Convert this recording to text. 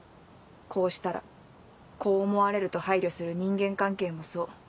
こうしたらこう思われると配慮する人間関係もそう。